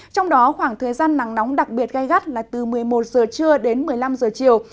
trong đó khoảng thời gian nắng nóng đặc biệt gai gắt là từ một mươi một giờ trưa đến một mươi năm giờ chiều